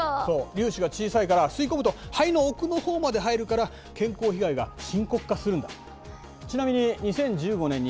粒子が小さいから吸い込むと肺の奥のほうまで入るから健康被害が深刻化するんだ。